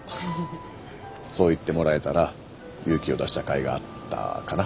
そう言ってもらえたら勇気を出したかいがあったかな。